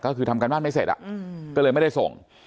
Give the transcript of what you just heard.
ก็คือทำการบ้านไม่เสร็จก็เลยไม่ได้ส่ง